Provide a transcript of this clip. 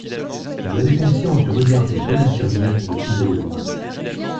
Il avait conscience du regard d’une belle infirmière qui le suivait de loin.